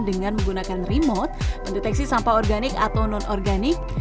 dengan menggunakan remote pendeteksi sampah organik atau non organik